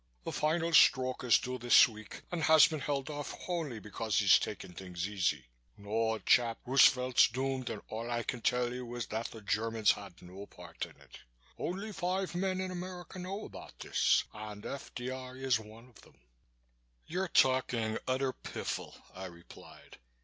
The final stroke is due this week and has been held off only because he's taking things easy. No, old chap, Roosevelt's doomed and all I can tell you is that the Germans had no part in it. Only five men in America know about this, and F.D.R. is one of them." "You're talking utter piffle," I replied.